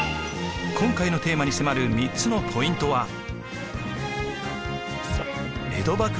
今回のテーマに迫る３つのポイントは。